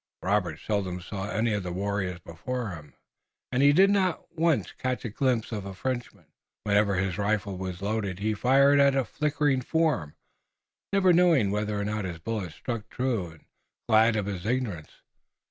Robert seldom saw any of the warriors before him, and he did not once catch a glimpse of a Frenchman. Whenever his rifle was loaded he fired at a flitting form, never knowing whether or not his bullet struck true, and glad of his ignorance.